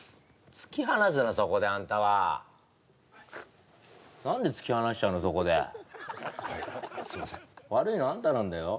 突き放すなそこであんたははい何で突き放しちゃうのそこではいすいません悪いのあんたなんだよ